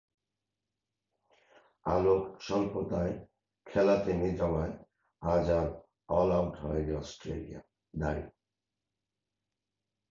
আলোকস্বল্পতায় খেলা থেমে যাওয়ায় আজ আর অলআউট হয়নি অস্ট্রেলিয়া।